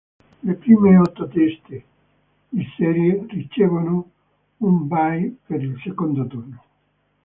Le prime otto teste di serie ricevono un bye per il secondo turno